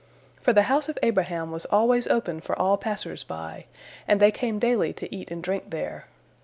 For the house of Abraham was always open for all passers by, and they came daily to eat and drink there.